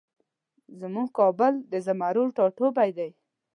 زمونږ کابل د زمرو ټاټوبی دی